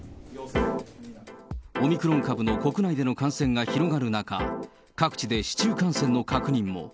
オミクロン株の国内での感染が広がる中、各地で市中感染の確認も。